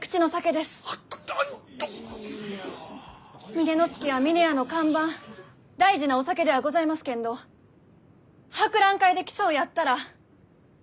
峰乃月は峰屋の看板大事なお酒ではございますけんど博覧会で競うやったら一口で忘れられん